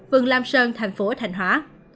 vườn lam sơn tp thành hóa